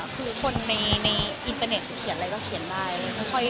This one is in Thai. คือคนในอินเตอร์เน็ตจะเขียนอะไรก็เขียนได้